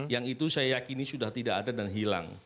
yang itu saya yakini sudah tidak ada dan hilang